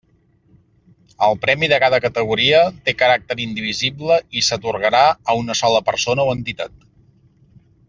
El premi de cada categoria té caràcter indivisible i s'atorgarà a una sola persona o entitat.